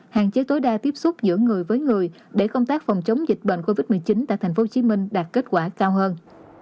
hạn chế tối đa tiếp xúc giữa người với người để công tác phòng chống dịch bệnh covid một mươi chín tại thành phố hồ chí minh đạt kết quả cao hơn